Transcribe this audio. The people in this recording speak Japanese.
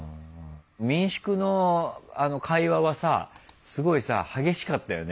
民宿のあの会話はさすごいさ激しかったよね。